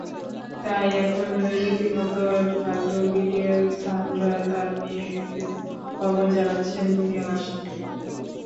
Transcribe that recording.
তাই এখন রীতিমতো ঢাক-ঢোল পিটিয়ে সান্ড্রা তাঁর মেয়ের খবর জানাচ্ছেন দুনিয়াবাসীকে।